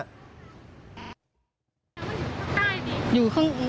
มันอยู่ข้างใต้นี่